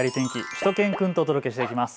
しゅと犬くんと届けしていきます。